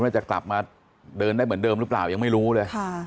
ว่าจะกลับมาเดินได้เหมือนเดิมหรือเปล่ายังไม่รู้เลย